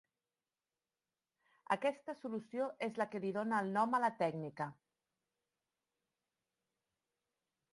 Aquesta solució és la que li dóna el nom a la tècnica.